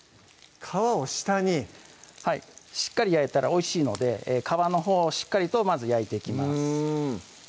皮を下にしっかり焼いたらおいしいので皮のほうをしっかりとまず焼いていきます